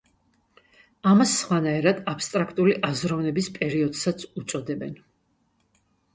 ამას სხვანაირად აბსტრაქტული აზროვნების პერიოდსაც უწოდებენ.